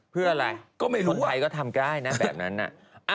เพื่ออะไรคนไทยก็ทำได้นะแบบนั้นน่ะก็ไม่รู้ว่ะ